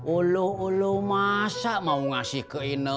oloh oloh masa mau ngasih ke ineke